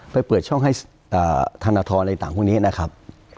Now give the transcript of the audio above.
เปิดช่องให้ธนทรอะไรต่างพวกนี้นะครับ